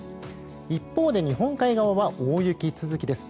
一方で日本海側は大雪続きです。